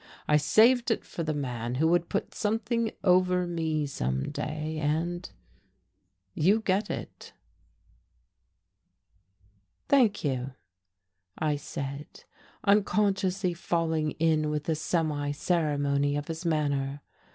I saved it for the man who would put something over me some day, and you get it." "Thank you," I said, unconsciously falling in with the semi ceremony of his manner.